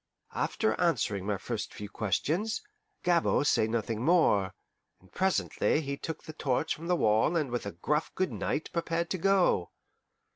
After answering my first few questions, Gabord say nothing more, and presently he took the torch from the wall and with a gruff good night prepared to go.